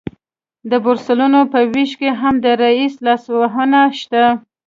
د بورسونو په ویش کې هم د رییس لاسوهنه شته